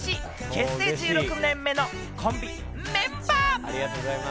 結成１６年目のコンビ、メンバー！